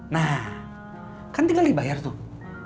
nah kan tinggal dibayar tuh